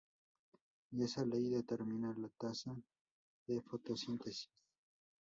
Y esa ley determina la tasa de fotosíntesis.